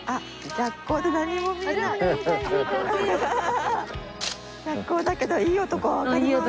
逆光だけどいい男はわかります。